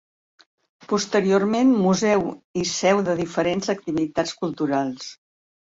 Posteriorment museu i seu de diferents activitats culturals.